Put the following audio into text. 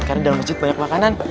karena dalam masjid banyak makanan